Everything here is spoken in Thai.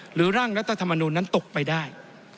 ร่างรัฐธรรมนูลนั้นตกไปได้